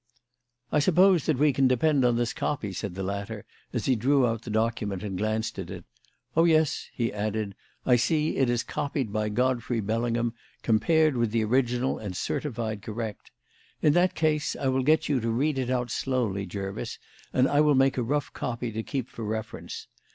"I suppose that we can depend on this copy," said the latter, as he drew out the document and glanced at it. "Oh, yes," he added, "I see it is copied by Godfrey Bellingham, compared with the original and certified correct. In that case I will get you to read it out slowly, Jervis, and I will make a rough copy to keep for reference.